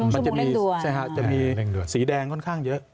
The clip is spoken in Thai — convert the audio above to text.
มันจะมีสีแดงค่อนข้างเยอะ